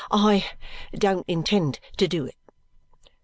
" I don't intend to do it."